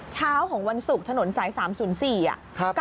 เช้าของวันศุกร์ถนนสาย๓๐๔อ่ะ